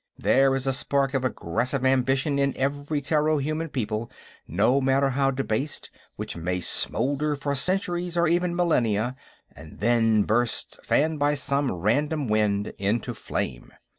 There is a spark of aggressive ambition in every Terro human people, no matter how debased, which may smoulder for centuries or even millennia and then burst, fanned by some random wind, into flame.